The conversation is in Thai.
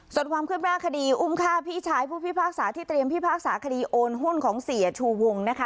ส่วนความคืบหน้าคดีอุ้มฆ่าพี่ชายผู้พิพากษาที่เตรียมพิพากษาคดีโอนหุ้นของเสียชูวงนะคะ